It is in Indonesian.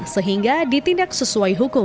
sehingga ditindak sesuai hukum